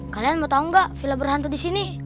kalian mau tau enggak villa berhantu di sini